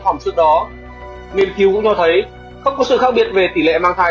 phòng trước đó nghiên cứu cũng cho thấy không có sự khác biệt về tỷ lệ mang thai